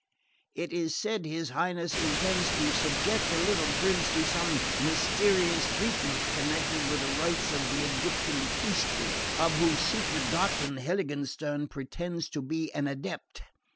It is said his Highness intends to subject the little prince to some mysterious treatment connected with the rites of the Egyptian priesthood, of whose secret doctrine Heiligenstern pretends to be an adept.